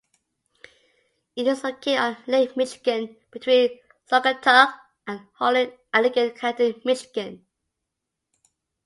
It is located on Lake Michigan between Saugatuck and Holland in Allegan County, Michigan.